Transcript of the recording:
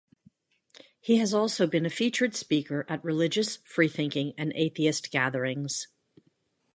He has also been a featured speaker at religious, freethinking, and atheist gatherings.